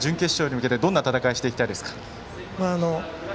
あさって、準決勝に向けてどんな戦いしていきたいですか？